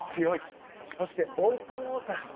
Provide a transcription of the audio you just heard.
そして、オープンウォーター。